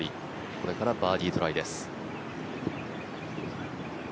これからバーディートライです。